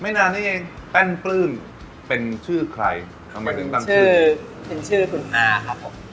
ไม่นานนี่เองแป้นปลื้มเป็นชื่อใครเป็นชื่อเป็นชื่อคุณอาครับผม